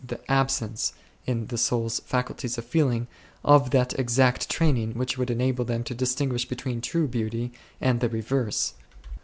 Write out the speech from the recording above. the absence, in the soul's faculties of feeling, of that exact training which would enable them to distinguish between true Beauty and the reverse.